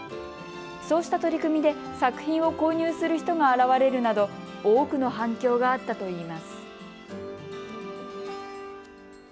そうした取り組みで作品を購入する人が現れるなど多くの反響があったといいます。